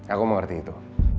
aku mengerti itu